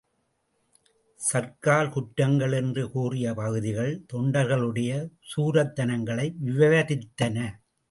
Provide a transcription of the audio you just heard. சர்க்கார் குற்றங்கள் என்று கூறிய பகுதிகள் தொண்டர்களுடைய சூரத்தனங்களை விவரித்தன.